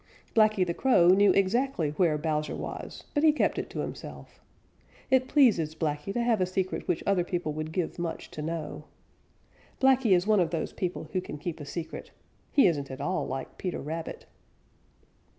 Blacky the Crow knew exactly where Bowser was, but he kept it to himself. It pleases Blacky to have a secret which other people would give much to know. Blacky is one of those people who can keep a secret. He isn't at all like Peter Rabbit.